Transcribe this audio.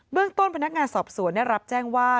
เบื้องต้นผู้นักงานสอบสวนรับแจ้งว่า